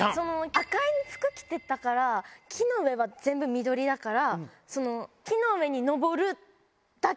赤い服着てたから木の上は全部緑だから。